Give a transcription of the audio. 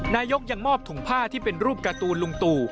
นายกยังมอบถุงผ้าที่เป็นรูปการ์ตูนลุงตู่